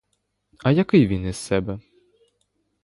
А який він із себе?